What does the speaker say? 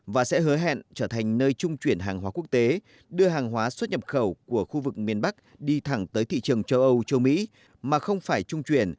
và sẽ hứa hẹn trở thành nơi trung chuyển hàng hóa quốc tế đưa hàng hóa xuất nhập khẩu của khu vực miền bắc đi thẳng tới thị trường châu âu châu mỹ